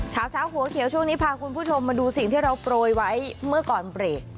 เช้าเช้าหัวเขียวช่วงนี้พาคุณผู้ชมมาดูสิ่งที่เราโปรยไว้เมื่อก่อนเบรก